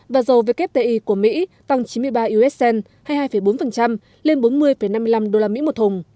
và dầu wti của mỹ tăng chín mươi ba usd hay hai bốn lên bốn mươi năm mươi năm usd một thùng